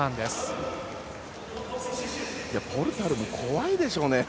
ポルタルも怖いでしょうね。